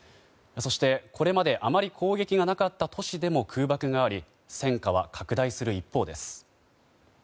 そして、これまであまり攻撃がなかった都市でも空爆があり戦火は拡大する一方です。